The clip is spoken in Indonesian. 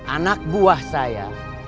anak buah saya